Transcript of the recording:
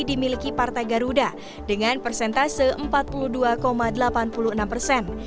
dimiliki partai garuda dengan persentase empat puluh dua delapan puluh enam persen